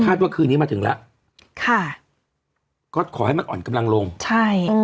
ว่าคืนนี้มาถึงแล้วค่ะก็ขอให้มันอ่อนกำลังลงใช่อืม